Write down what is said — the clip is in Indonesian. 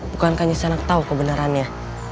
bukankah nisanak tahu kebenarannya